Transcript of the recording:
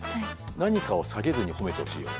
何かを下げずに褒めてほしいよね。